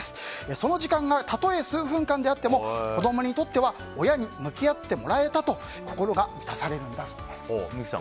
その時間がたとえ数分間であっても子供にとっては親に向き合ってもらえたと三木さん